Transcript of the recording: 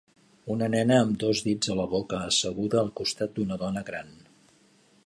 Una nena amb dos dits a la boca asseguda al costat d'una dona gran.